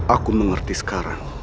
aku mengerti sekarang